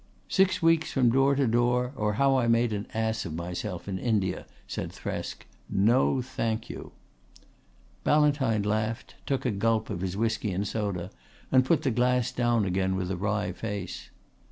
"Six weeks from door to door: or how I made an ass of myself in India," said Thresk. "No thank you!" Ballantyne laughed, took a gulp of his whisky and soda and put the glass down again with a wry face.